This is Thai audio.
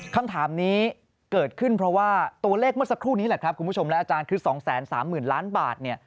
คำถามนี้เกิดขึ้นเพราะว่าตัวเลขเมื่อสักครู่นี้แหละครับคุณผู้ชมและอาจารย์คือ๒๓๐๐๐ล้านบาท